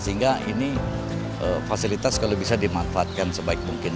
sehingga ini fasilitas kalau bisa dimanfaatkan sebaik mungkin